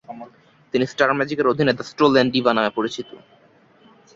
তিনি স্টার ম্যাজিকের অধীনে "দ্য স্টোলেন ডিভা" নামে পরিচিত।